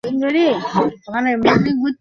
আমি খুবই দুঃখিত সবাইকে যেতে হবে।